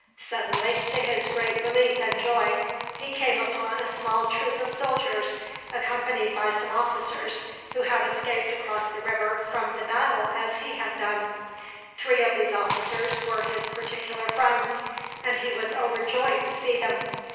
Suddenly, to his great relief and joy, he came upon a small troop of soldiers, accompanied by some officers, who had escaped across the river from the battle as he had done. Three of these officers were his particular friends, and he was overjoyed to see them.